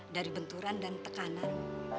dari benturan dan tekanan